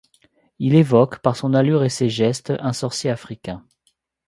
Il évoque par son allure et ses gestes un sorcier africain.